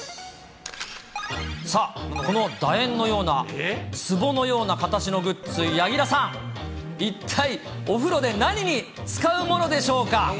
さあ、このだ円のような、つぼのような形のグッズ、柳楽さん、一体お風呂で何に使うものでしょうか？